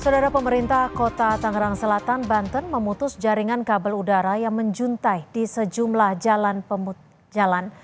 saudara pemerintah kota tangerang selatan banten memutus jaringan kabel udara yang menjuntai di sejumlah jalan